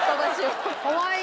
かわいい！